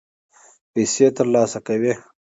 پیسې ترلاسه کوي.